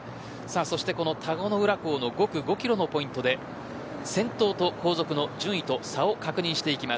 そして田子の浦港の５区５キロのポイントで先頭と後続の順位との差を確認していきます。